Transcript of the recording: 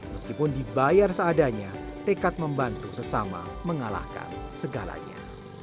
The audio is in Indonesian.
meskipun dibayar seadanya tekad membantu sesama mengalahkan segalanya